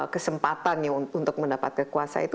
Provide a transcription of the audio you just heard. kesempatan ya untuk mendapat kekuasaan itu